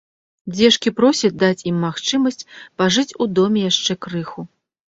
Дзешкі просяць даць ім магчымасць пажыць у доме яшчэ крыху.